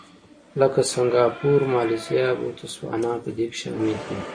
لکه سینګاپور، مالیزیا او بوتسوانا په دې کې شامل دي.